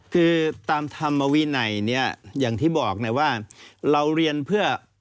คือตามธรรมวินัยเนี่ยอย่างที่บอกนะว่าเราเรียนเพื่อ